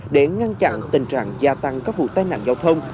để ngăn chặn tình trạng gia tăng các vụ tai nạn giao thông